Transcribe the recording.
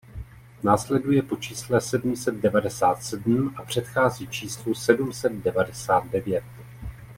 Následuje po čísle sedm set devadesát sedm a předchází číslu sedm set devadesát devět.